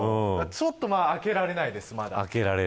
ちょっと明けられないですまだ。